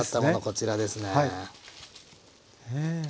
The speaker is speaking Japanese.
こちらですね。